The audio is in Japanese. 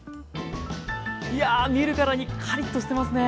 いや見るからにカリッとしてますね。